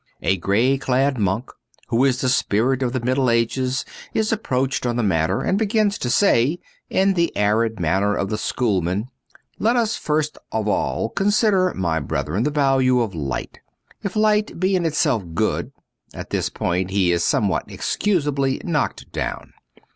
A grey clad monk, who is the spirit of the Middle Ages, is approached on the matter, and begins to say, in the arid manner of the Schoolmen, ' Let us first of all consider, my brethren, the value of Light, If Light be in itself good ' At this point he is somewhat excusably knocked down.